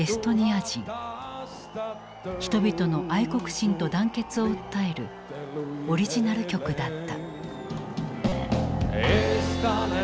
人々の愛国心と団結を訴えるオリジナル曲だった。